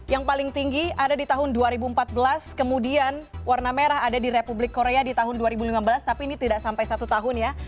yang paling tinggi ada di tahun dua ribu empat belas kemudian warna merah ada di republik korea di tahun dua ribu lima belas tapi ini tidak sampai satu tahun ya